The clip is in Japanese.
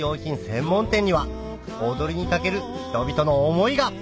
専門店にはおどりに懸ける人々の思いが！